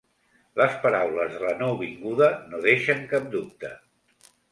Les paraules de la nouvinguda no deixen cap dubte.